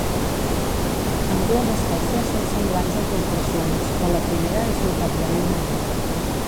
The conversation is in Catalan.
Ambdues espècies són semblants en proporcions però la primera és notablement major.